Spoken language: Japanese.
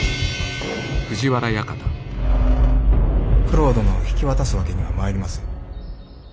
九郎殿を引き渡すわけにはまいりません。